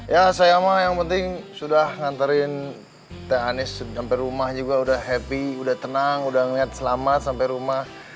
ya saya mah yang penting sudah nganterin teh anies sampai rumah juga udah happy udah tenang udah ngelihat selamat sampai rumah